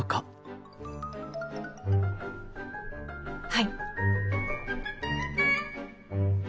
はい。